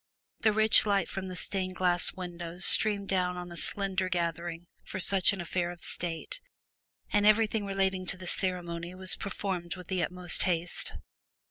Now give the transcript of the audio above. The rich light from the stained glass windows streamed down on a slender gathering for such an affair of state, and everything relating to the ceremony was performed with the utmost haste.